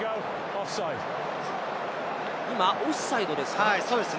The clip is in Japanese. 今、オフサイドですか？